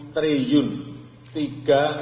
tiga triliun rupiah bahkan bisa lebih